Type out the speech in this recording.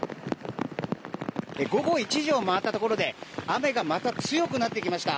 午後１時を回ったところで雨がまた強くなってきました。